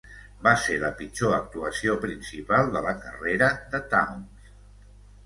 Va ser la pitjor actuació principal de la carrera de Towns.